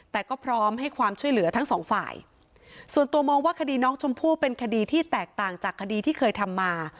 แต่ก็พร้อมให้ความช่วยเหลือทั้งสองฝ่ายส่วนตัวมองว่าคดีน้องชมพู่เป็นคดีที่แตกต่างจากคดีที่เคยทำมา